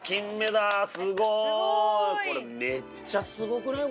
これめっちゃすごくない？